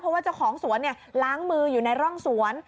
เพราะว่าเจ้าของสวนล้างมืออยู่ในร่องสวน